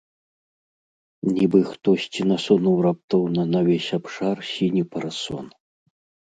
Нібы хтосьці насунуў раптоўна на ўвесь абшар сіні парасон.